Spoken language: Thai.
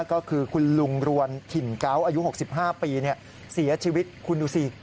ก็คือคุณลุงรวนถิ่นเกาะอายุ๖๕ปีเสียชีวิตคุณดูสิ